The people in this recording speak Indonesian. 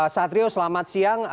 satrio selamat siang